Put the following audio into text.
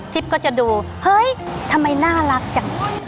ก็จะดูเฮ้ยทำไมน่ารักจัง